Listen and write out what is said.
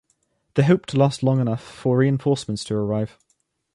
They hoped to last long enough for reinforcements to arrive.